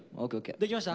できました？